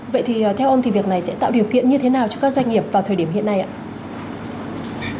vậy thì theo ông thì việc này sẽ tạo điều kiện như thế nào cho các doanh nghiệp vào thời điểm hiện nay ạ